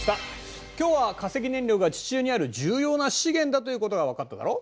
今日は化石燃料が地中にある重要な資源だということが分かっただろう？